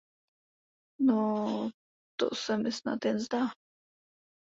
No to se mi snad jen zdá!